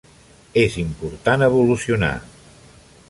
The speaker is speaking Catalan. És important evolucionar.